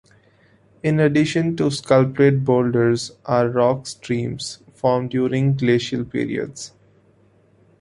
In addition to the sculpted boulders are "rock streams" formed during glacial periods.